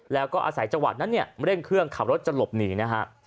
แล้วก็อาศัยจังหวัดนั้นเนี่ยเร่งเครื่องขับรถจะหลบหนีนะฮะ